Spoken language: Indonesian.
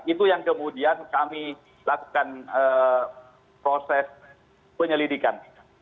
itu yang kemudian kami lakukan proses penyelidikan